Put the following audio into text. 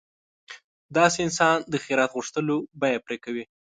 داسې انسان د خیرات غوښتلو بیه پرې کوي.